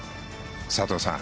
佐藤さん